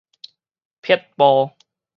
撇步